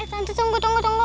eh tante tunggu tunggu tunggu